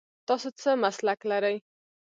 تاسو څه مسلک لرئ ؟